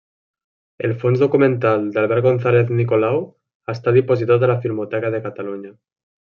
El fons documental d'Albert González Nicolau està dipositat a la Filmoteca de Catalunya.